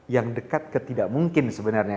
yang dekat ke tidak mungkin sebenarnya